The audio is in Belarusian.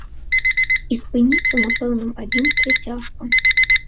І спыніцца на пэўным адзінстве цяжка.